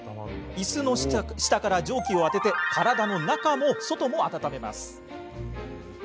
いすの下から蒸気を当てて体の中も外も温めます。